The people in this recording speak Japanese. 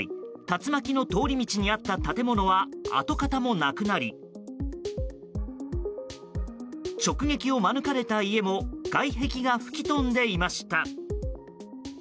竜巻の通り道にあった建物は跡形もなくなり直撃を免れた家も外壁が吹き飛んでいました。